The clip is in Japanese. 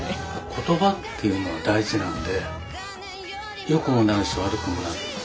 ことばっていうのは大事なんで良くもなるし悪くもなる。